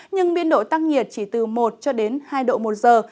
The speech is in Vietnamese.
nhưng biên độ tăng nhiệt chỉ từ một cho đến hai độ một giờ